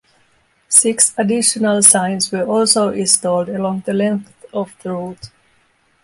Six additional signs were also installed along the length of the route.